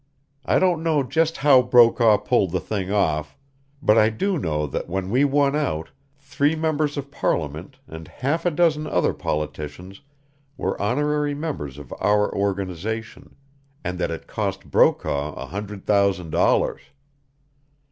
I don't know just how Brokaw pulled the thing off, but I do know that when we won out three members of parliament and half a dozen other politicians were honorary members of our organization, and that it cost Brokaw a hundred thousand dollars!